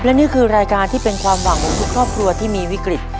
และนี่คือรายการที่เป็นความหวังของทุกครอบครัวที่มีวิกฤต